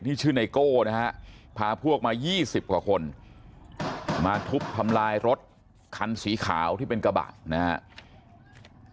ชื่อไนโก้นะฮะพาพวกมา๒๐กว่าคนมาทุบทำลายรถคันสีขาวที่เป็นกระบะนะครับ